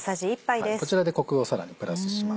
こちらでコクをさらにプラスします。